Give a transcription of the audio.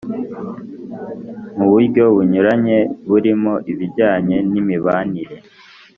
mu buryo bunyuranye, burimo ibijyanye n’imibanire